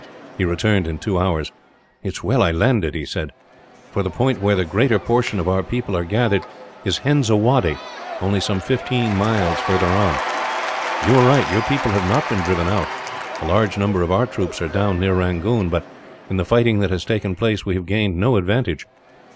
He returned in two hours. "It is well I landed," he said, "for the point where the greater portion of our people are gathered is Henzawaddy, only some fifteen miles further on. "You were right; your people have not been driven out. A large number of our troops are down near Rangoon but, in the fighting that has taken place, we have gained no advantage.